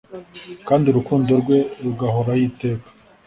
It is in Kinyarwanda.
kandi urukundo rwe rugahoraho iteka